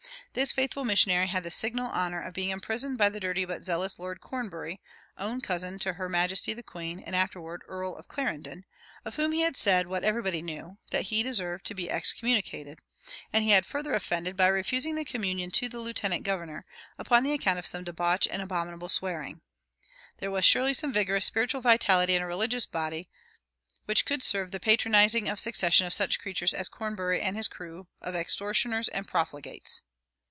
This faithful missionary had the signal honor of being imprisoned by the dirty but zealous Lord Cornbury (own cousin to her Majesty the Queen, and afterward Earl of Clarendon), of whom he had said, what everybody knew, that he "deserved to be excommunicated"; and he had further offended by refusing the communion to the lieutenant governor, "upon the account of some debauch and abominable swearing."[135:2] There was surely some vigorous spiritual vitality in a religious body which could survive the patronizing of a succession of such creatures as Cornbury and his crew of extortioners and profligates.